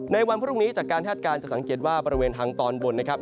วันพรุ่งนี้จากการคาดการณ์จะสังเกตว่าบริเวณทางตอนบนนะครับ